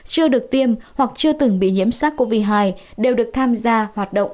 chưa được tiêm hoặc chưa từng bị nhiễm sars cov hai đều được tham gia hoạt động